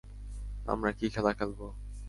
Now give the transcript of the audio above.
আমরা কি খেলা খেলব?